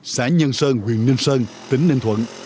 xã nhân sơn huyện ninh sơn tỉnh ninh thuận